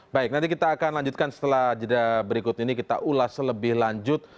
baik nanti kita akan lanjutkan setelah jeda berikut ini kita ulas lebih lanjut